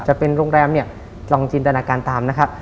จะเป็นโรงแรมเนี่ยลองจินตนาการตามนะครับ